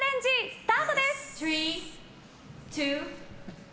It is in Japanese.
スタートです！